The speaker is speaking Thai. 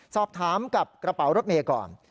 สอบถามกับกระเป๋ารถเมย์ก่อน